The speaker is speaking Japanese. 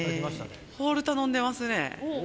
ホール頼んでますね。